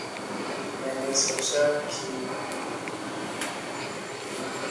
मैने सोचा के मैं यहां अकेला हूं।